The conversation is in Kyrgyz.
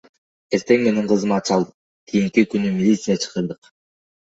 Эртең менен кызыма чалдым, кийинки күнү милиция чакырдык.